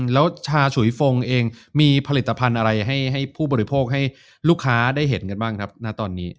แล้วชาฉุยฟงเองมีผลิตภัณฑ์อะไรให้ผู้บริโภคให้ลูกค้าได้เห็นกันบ้างครับณตอนนี้